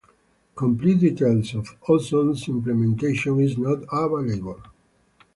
Complete details of Ozone's implementation is not available.